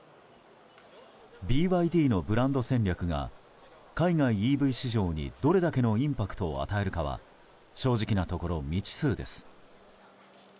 ＢＹＤのブランド戦略が海外ＥＶ市場にどれだけのインパクトを与えるかは正直なところ未知数です。